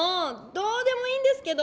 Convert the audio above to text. どうでもいいんですけど！